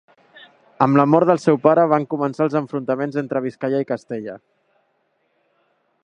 Amb la mort del seu pare van començar els enfrontaments entre Biscaia i Castella.